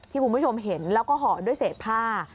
คุณผู้ชมเห็นแล้วก็ห่อด้วยเศษผ้า